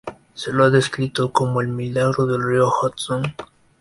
Se lo ha descrito como "el milagro del Río Hudson".